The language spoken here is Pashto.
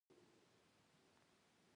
وروسته غوړي ور زیات کړئ تر څو پوښ جوړ شي.